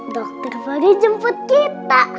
dokter fahri jemput kita